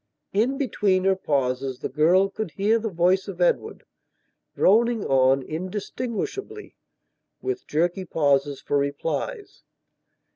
In between her pauses the girl could hear the voice of Edward, droning on, indistinguishably, with jerky pauses for replies.